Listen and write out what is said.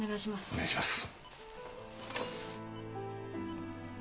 お願いします。